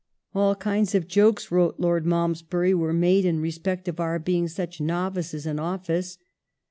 ^ "All kinds of jokes," wrote Lord Malmesbury, "were made in respect of our being such novices in office."